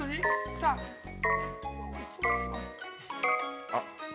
さあ◆あっ。